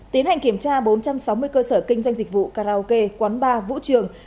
tiến hành kiểm tra bốn trăm sáu mươi cơ sở kinh doanh dịch vụ karaoke quán bar vũ trường